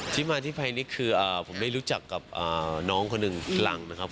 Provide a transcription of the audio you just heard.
ที่มาที่ไปนี่คือผมได้รู้จักกับน้องคนหนึ่งหลังนะครับ